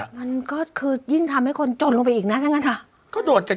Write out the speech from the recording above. มันก็คือยิ่งทำให้คนจนลงไปอีกนะ